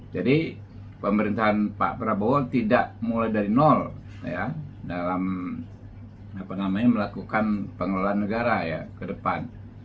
jadi pemerintahan pak prabowo tidak mulai dari nol ya dalam apa namanya melakukan pengelolaan negara ya ke depan